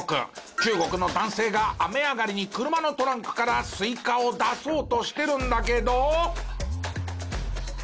中国の男性が雨上がりに車のトランクからスイカを出そうとしてるんだけど。